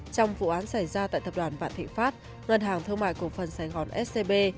trong vụ án xảy ra tại tập đoàn vạn thị pháp ngân hàng thương mại cổ phần sài gòn scb